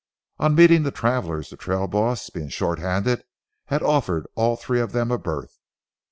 On meeting the travelers, the trail boss, being short handed, had offered all three of them a berth.